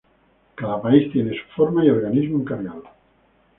Cada país tiene su forma y organismo encargado.